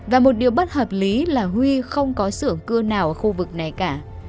và một điều bất hợp lý là huy không có sưởng cưa nào ở khu vực này cả